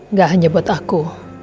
nggak hanya buat aku